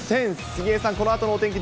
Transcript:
杉江さん、このあとのお天気